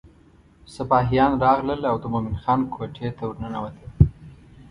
سپاهیان راغلل او د مومن خان کوټې ته ورننوته.